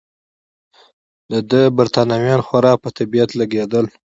د ده بریتانویان خورا په طبیعت لګېدل.